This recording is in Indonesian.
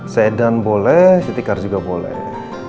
sedan boleh citycar juga boleh